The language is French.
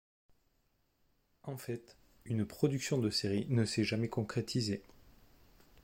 En fait, une production de série ne s'est jamais concrétisée.